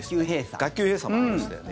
学級閉鎖になりましたよね。